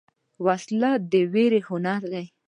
وسله د ویرې هنر ده